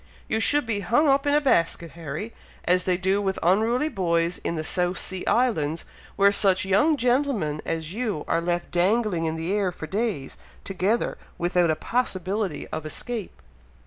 You should be hung up in a basket, Harry, as they do with unruly boys in the South Sea Islands, where such young gentlemen as you are left dangling in the air for days together without a possibility of escape!"